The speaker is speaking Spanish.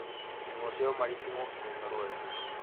El Museo Marítimo de Noruega.